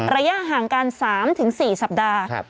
ระยะห่างกัน๓๔สัปดาห์